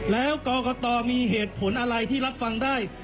แล้วกรกตมีเหตุผลอะไรที่รับฟังได้